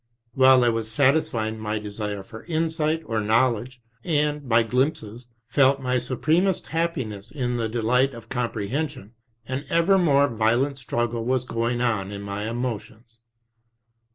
While 1 was satisfying my desire for insight or knowledge and, by glimpses, felt my supremest happiness in the delight of comprehension, an ever more violent strug gle was going on in my emotions.